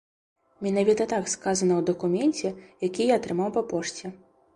Менавіта так сказана ў дакуменце, які я атрымаў па пошце.